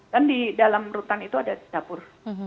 kan di dalam rutan itu ada dapur